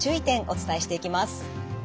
お伝えしていきます。